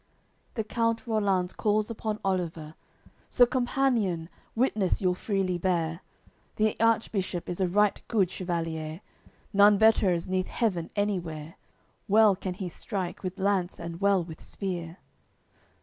CXXVII The count Rollanz calls upon Oliver: "Sir companion, witness you'll freely bear, The Archbishop is a right good chevalier, None better is neath Heaven anywhere; Well can he strike with lance and well with spear."